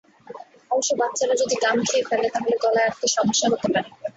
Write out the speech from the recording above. অবশ্য বাচ্চারা যদি গাম খেয়ে ফেলে, তাহলে গলায় আটকে সমস্যা হতে পারে।